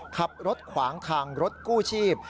ขับรถขวางทางรถกู้ชีพ